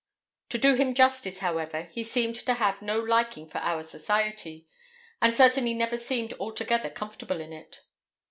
To do him justice, however, he seemed to have no liking for our society, and certainly never seemed altogether comfortable in it.